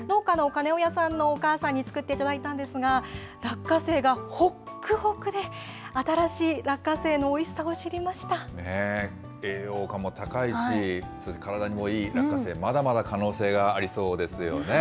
農家の金親さんのお母さんに作っていただいたんですが、落花生がほっくほくで、新しい落花生のお栄養価も高いし、体にもいい落花生、まだまだ可能性がありそうですよね。